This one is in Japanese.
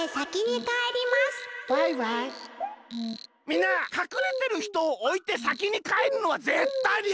みんなかくれてるひとをおいてさきにかえるのはぜったいにやめよう！